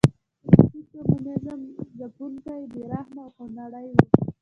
روسي کمونېزم ځپونکی، بې رحمه او خونړی و.